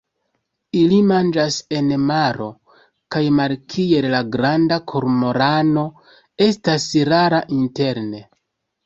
Ili manĝas en maro, kaj, malkiel la Granda kormorano, estas rara interne.